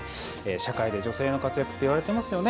社会で女性の活躍といわれていますよね。